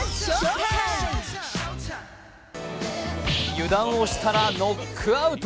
油断をしたらノックアウト。